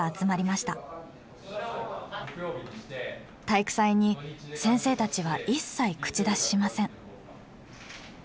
体育祭に先生たちは一切口出ししません。